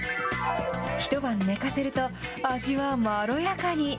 一晩寝かせると、味はまろやかに。